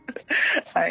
はい。